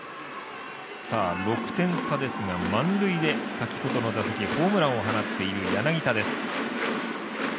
６点差ですが、満塁で先ほどの打席ホームランを放っている柳田です。